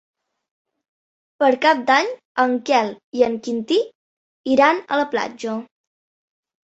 Per Cap d'Any en Quel i en Quintí iran a la platja.